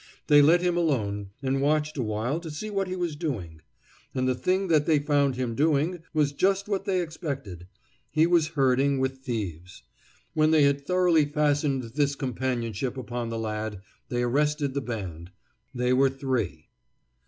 They let him alone and watched awhile to see what he was doing. And the thing that they found him doing was just what they expected: he was herding with thieves. When they had thoroughly fastened this companionship upon the lad, they arrested the band. They were three.